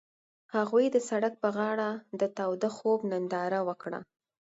هغوی د سړک پر غاړه د تاوده خوب ننداره وکړه.